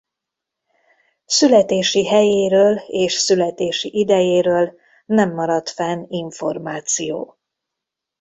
Születési helyéről és születési idejéről nem maradt fenn információ.